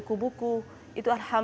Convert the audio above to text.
kak tuan dan kawan kawan